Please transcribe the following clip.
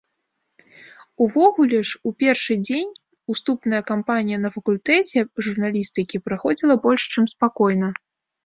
Увогуле ж, у першы дзень уступная кампанія на факультэце журналістыкі праходзіла больш чым спакойна.